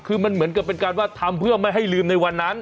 คือมันเหมือนกับเป็นการว่าทำเพื่อไม่ให้ลืมในวันนั้น